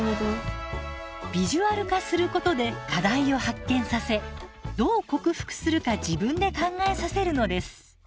ビジュアル化することで課題を発見させどう克服するか自分で考えさせるのです。